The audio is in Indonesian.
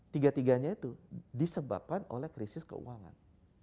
tiga tiganya itu disebabkan oleh krisis keuangan